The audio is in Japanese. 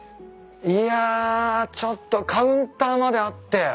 いやちょっとカウンターまであって。